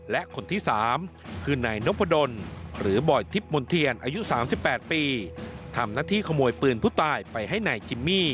และคนที่๓คือนายนพดลหรือบอยทิพย์มนเทียนอายุ๓๘ปีทำหน้าที่ขโมยปืนผู้ตายไปให้นายจิมมี่